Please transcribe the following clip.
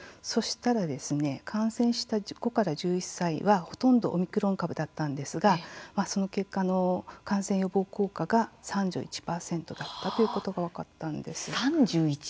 そしたら感染した５から１１歳はほとんどがオミクロン株だったんですがその結果感染予防効果が３１％だったということが分かったんです。